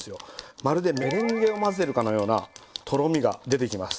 まるでメレンゲを混ぜてるかのようなとろみが出てきます。